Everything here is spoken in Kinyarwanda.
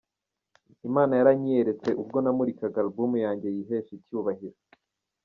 Imana yaranyiyeretse ubwo namurikaga album yanjye yihesha icyubahiro.